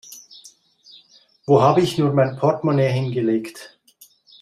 Wo habe ich nur mein Portemonnaie hingelegt?